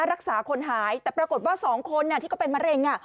รักษาคนหายแต่ปรากฏว่า๒คนที่ก็เป็นมะเร็ง